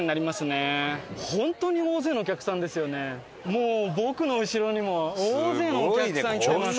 もう僕の後ろにも大勢のお客さん来てますけど。